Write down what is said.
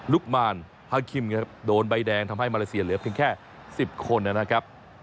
มารพาคิมครับโดนใบแดงทำให้มาเลเซียเหลือเพียงแค่๑๐คนนะครับ